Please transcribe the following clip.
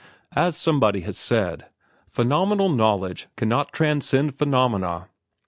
As somebody has said, phenomenal knowledge cannot transcend phenomena.